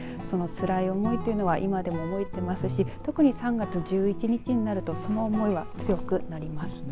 そのつらい思いというのは今でも覚えてますし特に３月１１日になるとその思いは強くなります。